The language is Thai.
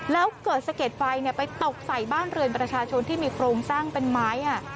แล้วเกิดสะเก็ดไฟไปตกใส่บ้านเรือนประชาชนที่มีโครงสร้างเป็นไม้